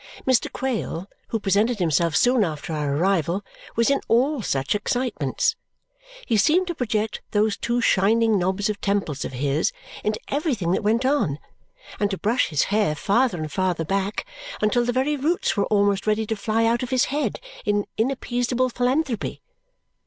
Mr. Quale, who presented himself soon after our arrival, was in all such excitements. He seemed to project those two shining knobs of temples of his into everything that went on and to brush his hair farther and farther back, until the very roots were almost ready to fly out of his head in inappeasable philanthropy.